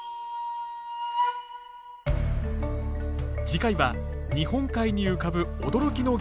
次回は日本海に浮かぶ驚きの芸能